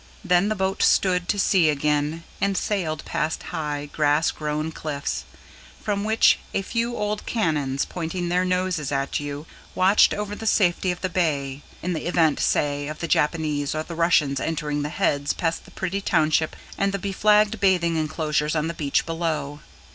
Then the boat stood to sea again and sailed past high, grass grown cliffs, from which a few old cannons, pointing their noses at you, watched over the safety of the Bay in the event, say, of the Japanese or the Russians entering the Heads past the pretty township, and the beflagged bathing enclosures on the beach below.